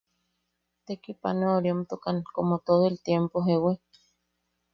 Tekipanoareotukan komo todo el tiempo ¿jewi?